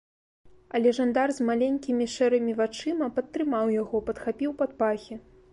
Але жандар з маленькімі шэрымі вачыма падтрымаў яго, падхапіў пад пахі.